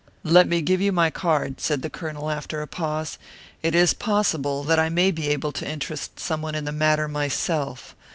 "Let me give you my card," said the Colonel, after a pause. "It is possible that I may be able to interest someone in the matter myself.